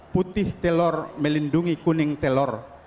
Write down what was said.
putih telur melindungi kuning telur